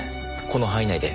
この範囲内で。